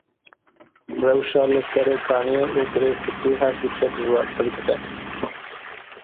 Rewşa li Serê Kaniyê û Girê Spî her diçe dijwartir dibe.